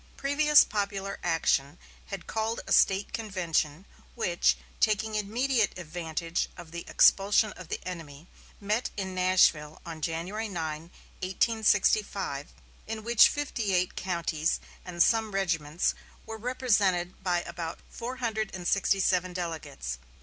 Previous popular action had called a State convention, which, taking immediate advantage of the expulsion of the enemy, met in Nashville on January 9, 1865, in which fifty eight counties and some regiments were represented by about four hundred and sixty seven delegates.